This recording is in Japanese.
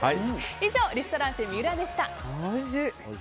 以上リストランテＭＩＵＲＡでした。